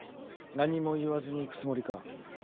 何も言わずに行くつもりか？